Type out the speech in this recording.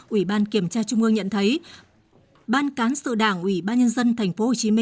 ủy ban kiểm tra trung ương nhận thấy ban cán sự đảng ủy ban nhân dân tp hcm